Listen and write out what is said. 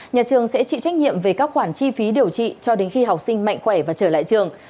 nhà trường sẽ chịu trách nhiệm về các khoản chi phí điều trị cho đến khi học sinh mạnh khỏe và trở lại trường